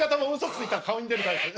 ついたら顔に出るタイプ。